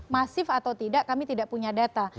masif atau tidak kami tidak punya data